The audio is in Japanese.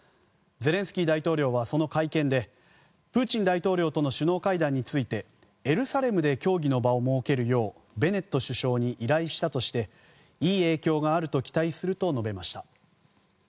ゼレンスキー大統領はその会見でプーチン大統領との首脳会談についてエルサレムで協議の場を設けるようベネット首相に依頼したとしていい影響があると期待すると述べました。